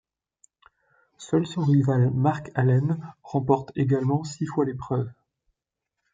Seul son rival, Mark Allen, remporte également six fois l'épreuve.